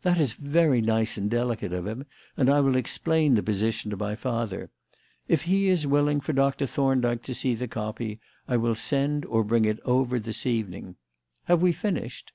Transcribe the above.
"That is very nice and delicate of him, and I will explain the position to my father. If he is willing for Doctor Thorndyke to see the copy, I will send or bring it over this evening. Have we finished?"